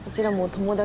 友達？